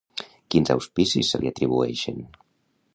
Quins auspicis se li atribueixen?